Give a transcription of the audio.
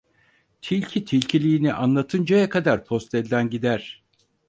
Tilki tilkiliğini anlatıncaya kadar post elden gider.